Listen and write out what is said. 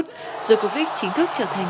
djokovic chính thức trở thành